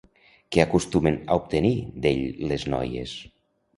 Què acostumen a obtenir d'ell les noies?